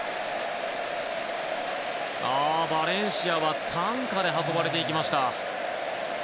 バレンシアは担架で運ばれて行きました。